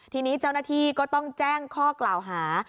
ทีนี้เจ้าหน้าที่ก็ต้องแจ้งข้อกล่าวหา